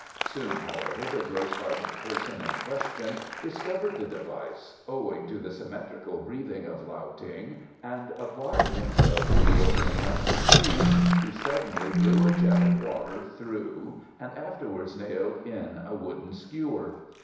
Soon, however, the gross hearted person in question discovered the device, owing to the symmetrical breathing of Lao Ting, and applying himself to the opening unperceived, he suddenly blew a jet of water through and afterwards nailed in a wooden skewer.